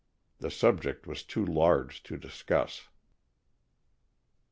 The subject was too large to discuss.